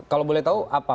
kalau boleh tahu apa